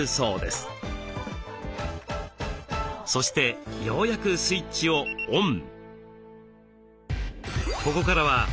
そしてようやくスイッチをオン。